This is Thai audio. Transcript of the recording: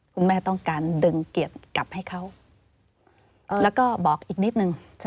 คุณแม่ต้องการดึงเกียรติกลับให้เขาแล้วก็บอกอีกนิดนึง